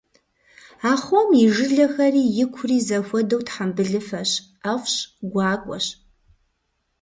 Ахъом и жылэхэри икури зэхуэдэу тхьэмбылыфэщ, ӏэфӏщ, гуакӏуэщ.